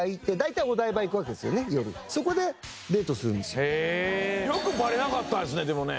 よくバレなかったですねでもね。